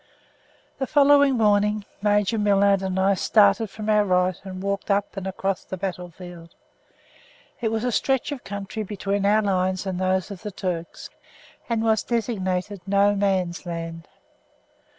The following morning Major Millard and I started from our right and walked up and across the battle field. It was a stretch of country between our lines and those of the Turks, and was designated No Man's Land.